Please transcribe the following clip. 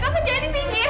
kava jangan dipinggir